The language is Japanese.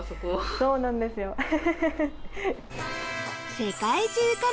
そうなんですよエヘヘ。